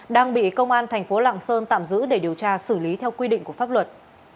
đang bị công an thành phố lạng sơn tạm giữ để điều tra xử lý theo quy định của pháp luật